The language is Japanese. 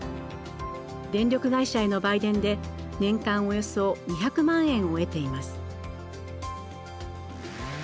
電力会社への売電で年間およそ２００万円を得ています。